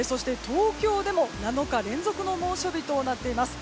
東京でも７日連続の猛暑日となっています。